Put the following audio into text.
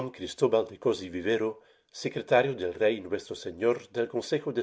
Cristobal de Cos y Vivero, Secretario del Rey Nuestro Sefior del Consejo de S.